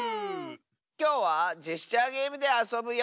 きょうはジェスチャーゲームであそぶよ。